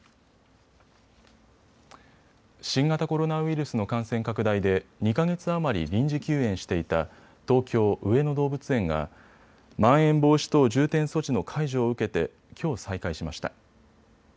新型コロナウイルスの感染拡大で２か月余り臨時休園していた東京・上野動物園がまん延防止等重点措置の解除を受けて、きょう再開しました。